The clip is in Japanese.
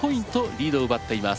リードを奪っています。